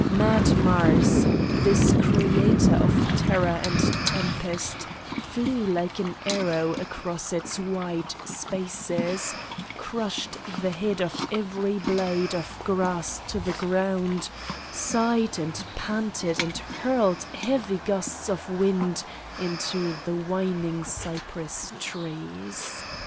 Mad Mars, this creator of terror and tempest, flew like an arrow across its wide spaces, crushed the head of every blade of grass to the ground, sighed and panted and hurled heavy gusts of wind into the whining cypress trees.